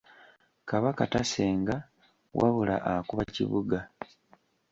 Kabaka tasenga wabula akuba kibuga.